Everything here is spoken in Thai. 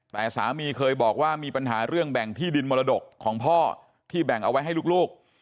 แต่สามีเคยบอกว่ามีปัญหาเรื่องแบ่งที่ดินมรดกของพ่อที่แบ่งเอาไว้ให้ลูก